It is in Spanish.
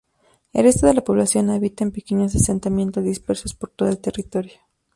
El resto de la población habita en pequeños asentamientos dispersos por todo el territorio.